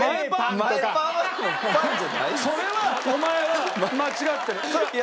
それはお前が間違ってる。